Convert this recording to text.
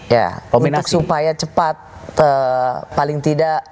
ya minat supaya cepat paling tidak